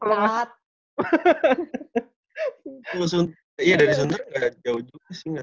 kalau sunter iya dari sunter gak jauh juga sih